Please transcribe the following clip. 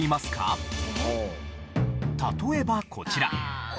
例えばこちら。